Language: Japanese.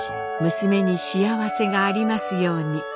「娘に幸せがありますように」。